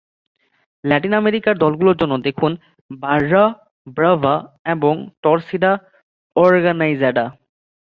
Latin আমেরিকার দলগুলোর জন্য দেখুন বাররা ব্রাভা এবং টরসিডা অরগানাইজাডা।